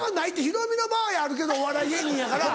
ヒロミの場合はあるけどお笑い芸人やから。